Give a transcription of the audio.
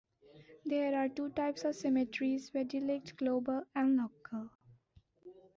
There are two types of symmetries, videlicet, global and local.